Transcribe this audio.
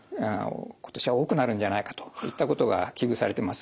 今年は多くなるんじゃないかといったことが危惧されています。